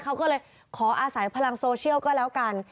เขาก็เลยขออาศัยพลังโซเชียลก็แล้วกัน